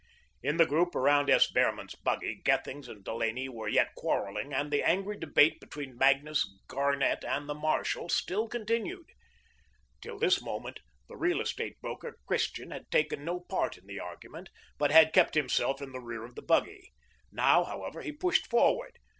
In the group around S. Behrman's buggy, Gethings and Delaney were yet quarrelling, and the angry debate between Magnus, Garnett, and the marshal still continued. Till this moment, the real estate broker, Christian, had taken no part in the argument, but had kept himself in the rear of the buggy. Now, however, he pushed forward.